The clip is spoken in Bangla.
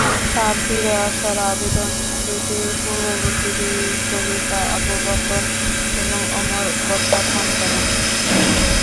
তার ফিরে আসার আবেদন দুটি পূর্ববর্তী দুই খলিফা আবু বকর এবং উমর প্রত্যাখ্যান করে।